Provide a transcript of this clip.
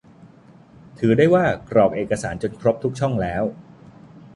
ถือว่าได้กรอกเอกสารจนครบทุกช่องแล้ว